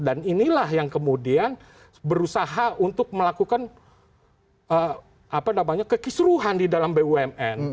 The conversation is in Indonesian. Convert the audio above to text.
dan inilah yang kemudian berusaha untuk melakukan kekisruhan di dalam bumn